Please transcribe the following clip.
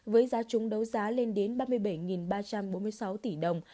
với giá trúng đấu giá lên đến ba mươi bảy ba trăm bốn mươi sáu tỷ đồng